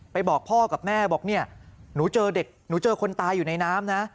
ไปบอกพ่อกับแม่บอกนี่หนูเจอคนตายอยู่ในน้ำนะ